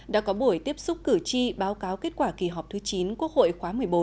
đã có buổi tiếp xúc cử tri báo cáo kết quả kỳ họp thứ chín quốc hội khóa một mươi bốn